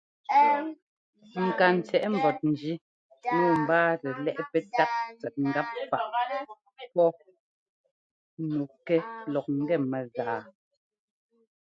Ŋkantsɛꞌ mbɔ́njí nǔu mbáatɛ lɛ́ꞌ pɛ́tát tsɛt ŋgap faꞌ pɔ́ nu kɛ lɔk ŋ́gɛ mɛgáa.